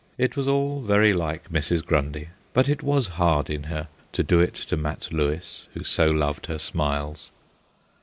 It was all very like Mrs. Grundy, but it was hard in her to do it to Mat Lewis who so loved her smiles.